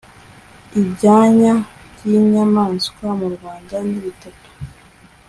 Ibyanya by’inyamaswa mu Rwanda ni bitatu